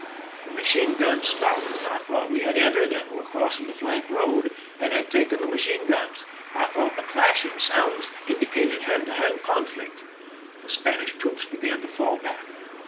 The machine guns stopped, and I thought we had entered and were crossing the flank road, and had taken the machine guns. I thought the clashing sounds in dicated hand to hand conflict. The Spanish troops began to fall back.